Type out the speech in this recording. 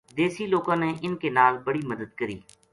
دیسی لوکاں نے اِنھ کے نال بڑی مدد کری